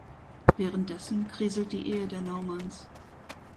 Währenddessen kriselt die Ehe der Naumanns.